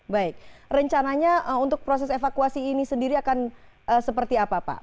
baik rencananya untuk proses evakuasi ini sendiri akan seperti apa pak